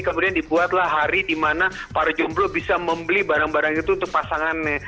kemudian dibuatlah hari di mana para jomblo bisa membeli barang barang itu untuk pasangannya